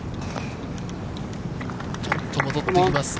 ちょっと戻ってきます。